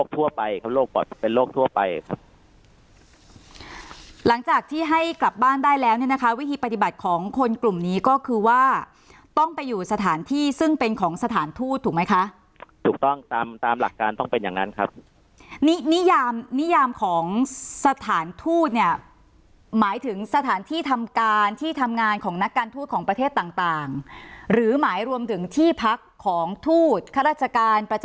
ทั่วไปเขาโรคปอดเป็นโรคทั่วไปครับหลังจากที่ให้กลับบ้านได้แล้วเนี่ยนะคะวิธีปฏิบัติของคนกลุ่มนี้ก็คือว่าต้องไปอยู่สถานที่ซึ่งเป็นของสถานทูตถูกไหมคะถูกต้องตามตามหลักการต้องเป็นอย่างนั้นครับนินิยามนิยามของสถานทูตเนี่ยหมายถึงสถานที่ทำการที่ทำงานของนักการทูตของประเทศต่างต่างหรือหมายรวมถึงที่พักของทูตข้าราชการประจ